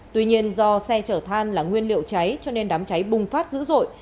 tuy nhiên do xe chở than là nguyên liệu cháy cho nên đám cháy bùng phát dữ dội